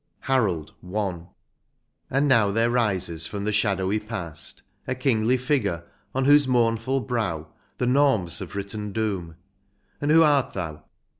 189 XCIV. HAROLD. — I. And now there rises from the shadowy past A kingly figure, on whose mournful brow The Noms have written doom, — and who art thou?